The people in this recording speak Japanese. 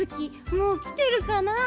もうきてるかなあ？